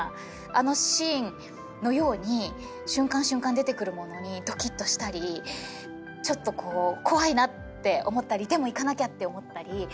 あのシーンのように瞬間瞬間出てくるものにドキッとしたりちょっとこう怖いなって思ったりでもいかなきゃって思ったり。